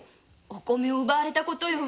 お米を奪われた事よ。